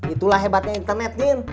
itulah hebatnya internet din